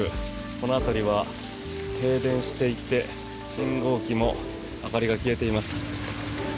この辺りは停電していて信号機も明かりが消えています。